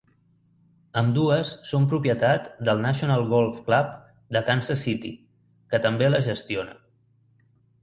Ambdues són propietat del National Golf Club de Kansas City, que també les gestiona.